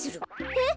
えっ？